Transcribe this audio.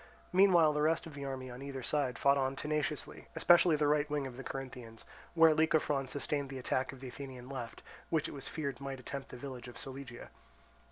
Meanwhile the rest of the army on either side fought on tenaciously, especially the right wing of the Corinthians, where Lycophron sustained the attack of the Athenian left, which it was feared might attempt the village of Solygia.